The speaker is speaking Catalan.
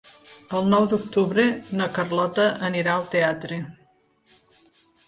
El nou d'octubre na Carlota anirà al teatre.